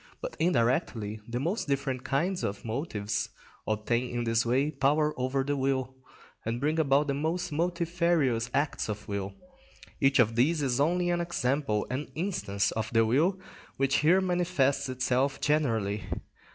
But indirectly the most different kinds of motives obtain in this way power over the will, and bring about the most multifarious acts of will. Each of these is only an example, an instance, of the will which here manifests itself generally.